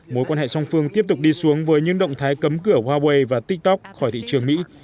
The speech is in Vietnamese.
mối quan hệ song phương tiếp tục đi xuống với những động thái cấm cửa huawei và tiktok khỏi thị trường mỹ